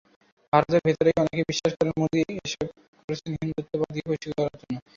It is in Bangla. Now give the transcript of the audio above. ভারতের ভেতরেই অনেকে বিশ্বাস করেন, মোদি এসবই করেছেন হিন্দুত্ববাদীদের খুশি করার জন্য।